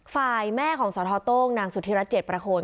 ฝ่ายแม่ของสทโต้งนางสุธิรัฐเจ็ดประโคน